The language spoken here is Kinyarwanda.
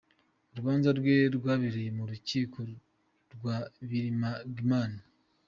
Urubanza rwe rwabereye mu rukiko rwa Birmingham.